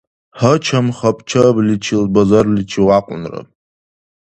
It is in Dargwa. Гьачам хабчабличил базарличи вякьунра.